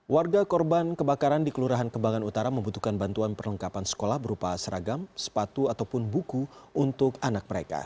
warga korban kebakaran di kelurahan kembangan utara membutuhkan bantuan perlengkapan sekolah berupa seragam sepatu ataupun buku untuk anak mereka